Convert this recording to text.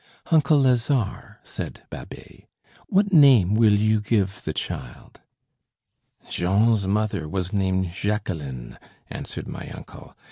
"Uncle Lazare," said Babet, "what name will you give the child?" "Jean's mother was named Jacqueline," answered my uncle.